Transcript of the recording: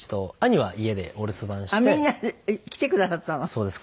そうです。